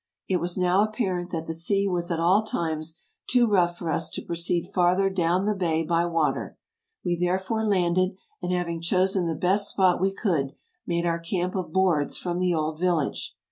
It was now apparent that the sea was at all times too rough for us to proceed farther down the bay by water; we therefore landed, and, having chosen the best spot we could, made our camp of boards from the old village.